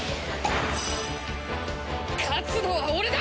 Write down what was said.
勝つのは俺だ！